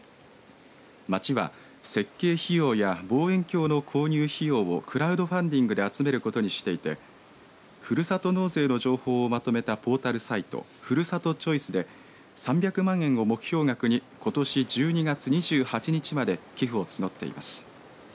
町は設計費用や望遠鏡の購入費用をクラウドファンディングで集めることにしていてふるさと納税の情報をまとめたポータルサイトふるさとチョイスで３００万円を目標額にことし１２月２８日まで寄付を募っています。